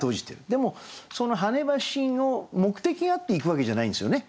でもその跳ね橋の目的があって行くわけじゃないんですよね。